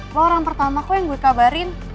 lo orang pertama kok yang gue kabarin